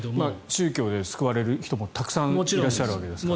宗教で救われる人もたくさんいらっしゃるわけですからね。